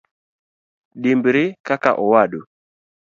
Dimbri kaka owadu.